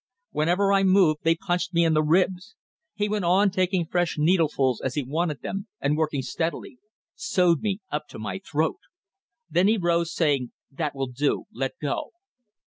Whenever I moved they punched me in the ribs. He went on taking fresh needlefuls as he wanted them, and working steadily. Sewed me up to my throat. Then he rose, saying, 'That will do; let go.